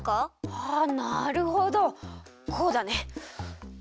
あなるほどこうだね。